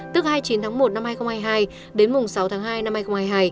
tức hai mươi chín tháng một năm hai nghìn hai mươi hai đến mùng sáu tháng hai năm hai nghìn hai mươi hai